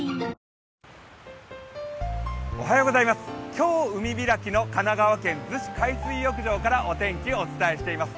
今日海開きの神奈川県の逗子海水浴場からお天気をお伝えしています。